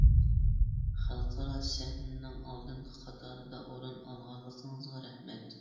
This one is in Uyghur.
خەلقئارا سەھنىنىڭ ئالدىنقى قاتاردا ئورۇن ئالغانلىقىڭىزغا رەھمەت!